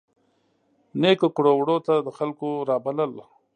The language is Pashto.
نیکو کړو وړو ته د خلکو رابلل.